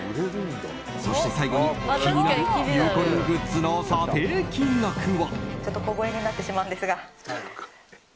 そして最後に、気になるゆうこりんグッズの査定金額は。